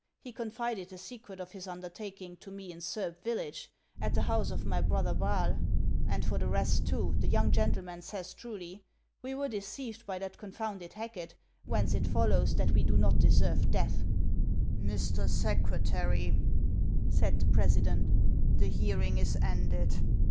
He confided the secret of his undertaking to rne in Surb village, at the house of my brother Braal. And for the rest, too, the young gentleman says truly ; we were deceived by that confounded Hacket, whence it fol lows that we do not deserve death." " Mr. Secretary," said the president, " the hearing is ended.